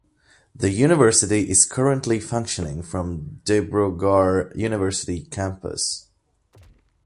The University is currently functioning from Dibrugarh University Campus.